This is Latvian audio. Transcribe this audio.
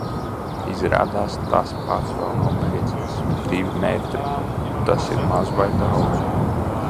Izrādās, tas pats vēl nav beidzies. Divi metri – tas ir maz vai daudz?